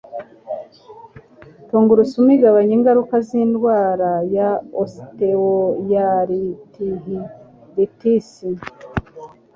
tungurusumu igabanya ingaruka z'indwara ya osteoarthritis.